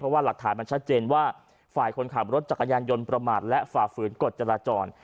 ว่าหลักฐานมันชัดเจนว่าฝ่ายคนขับรถจักรยานยนต์ประมาทและฝ่าฝืนกฎจราจร